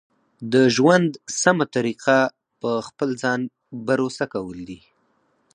د ژوند سمه طریقه په خپل ځان بروسه کول دي.